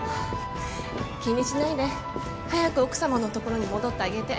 気にしないで早く奥さまのところに戻ってあげて。